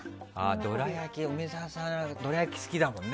梅沢さん、どら焼き好きだもんね。